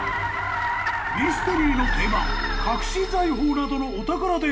［ミステリーの定番隠し財宝などの］